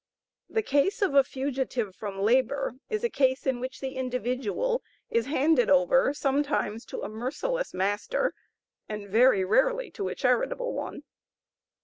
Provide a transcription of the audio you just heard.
The case of a fugitive from labor is a case in which the individual is handed over sometimes to a merciless master, and very rarely to a charitable one.